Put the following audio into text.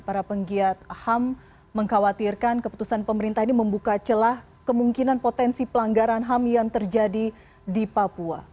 para penggiat ham mengkhawatirkan keputusan pemerintah ini membuka celah kemungkinan potensi pelanggaran ham yang terjadi di papua